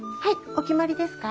お決まりですか？